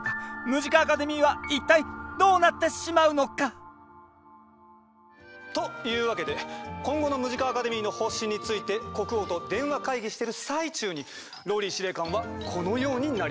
ムジカ・アカデミーは一体どうなってしまうのか？というわけで今後のムジカ・アカデミーの方針について国王と電話会議してる最中にＲＯＬＬＹ司令官はこのようになりました。